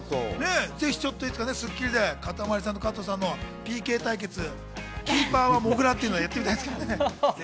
ぜひ、いつか『スッキリ』でかたまりさんと加藤さんのＰＫ対決、キーパーはもぐらっていうのやってみたいですね。